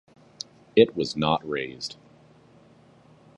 It was not raised.